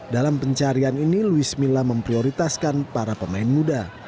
dalam pencarian ini luis mila memprioritaskan para pemain muda